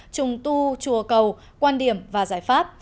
trùng tu chùa cầu quan điểm và giải pháp